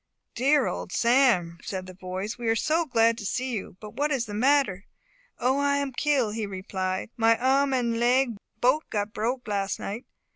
"Dear old Sam!" said the boys, "we are so glad to see you. But what is the matter?" "O, I am kill!" he replied; "my arm and leg bote got broke las' night.